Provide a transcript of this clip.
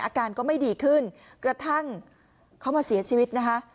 อาการก็ไม่ดีขึ้นกระทั่งเขามาเสียชีวิตนะคะ